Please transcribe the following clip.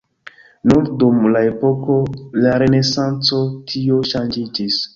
Nur dum la epoko de renesanco tio ŝanĝiĝis.